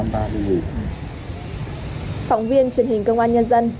phóng viên truyền hình công an nhân dân